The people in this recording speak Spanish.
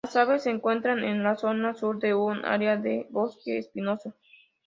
Las aves se encuentran en la zona sur de un área de bosque espinoso.